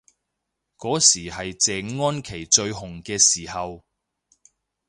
嗰時係謝安琪最紅嘅時候